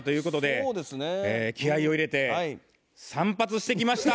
気合いを入れて散髪してきました！